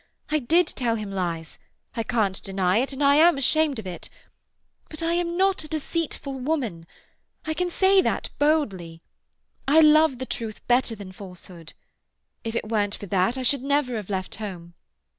I did tell him lies; I can't deny it, and I am ashamed of it. But I am not a deceitful woman—I can say that boldly. I love the truth better than falsehood. If it weren't for that I should never have left home.